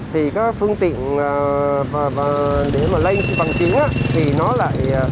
thì các phương tiện để mà lây vận chuyển thì nó lại